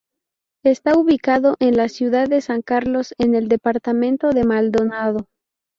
Está ubicado en la ciudad de San Carlos en el departamento de Maldonado.